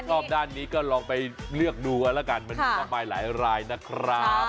รอบด้านนี้ก็ลองไปเลือกดูกันแล้วกันมันมีมากมายหลายรายนะครับ